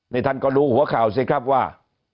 นี่ท่านก็รู้หัวข่าวสิครับว่า